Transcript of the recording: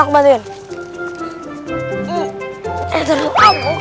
bantuin aku bantuin